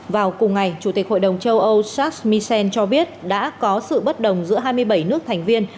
vào cùng ngày chủ tịch hội đồng châu âu charles misen cho biết đã có sự bất đồng giữa hai mươi bảy nước thành viên